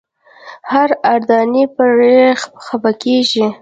هر اردني پرې خپه کېږي.